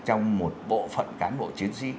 trong một bộ phận cán bộ chiến sĩ